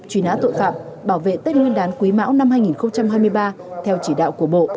truy nã tội phạm bảo vệ tết nguyên đán quý mão năm hai nghìn hai mươi ba theo chỉ đạo của bộ